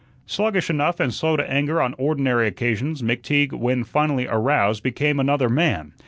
Sluggish enough and slow to anger on ordinary occasions, McTeague when finally aroused became another man.